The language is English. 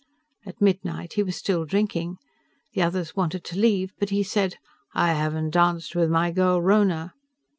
At midnight, he was still drinking. The others wanted to leave, but he said, "I haven't danced with my girl Rhona."